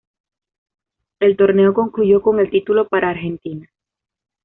El torneo concluyó con el título para Argentina.